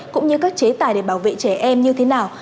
cũng như các chế tài để bảo vệ trẻ em như thế nào